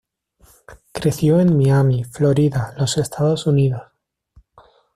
Creció en Miami, Florida, los Estados Unidos.